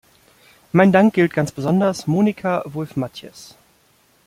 Mein Dank gilt ganz besonders Monika Wulf-Mathies.